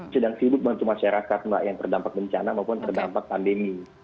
sedang sibuk bantu masyarakat mbak yang terdampak bencana maupun terdampak pandemi